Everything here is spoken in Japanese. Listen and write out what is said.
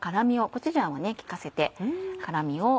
コチュジャンを利かせて辛味を。